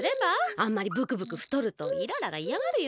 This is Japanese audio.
あんまりブクブクふとるとイララがいやがるよ？